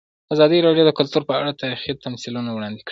ازادي راډیو د کلتور په اړه تاریخي تمثیلونه وړاندې کړي.